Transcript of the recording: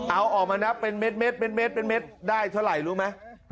เอาออกมานะเป็นเม็ดได้เท่าไหร่รู้ไหม